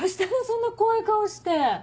そんな怖い顔して。